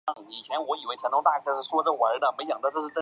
唐玄宗天宝元年新安州改为苏茂郡。